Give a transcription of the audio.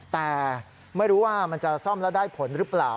แต่ไม่รู้ว่ามันจะซ่อมแล้วได้ผลหรือเปล่า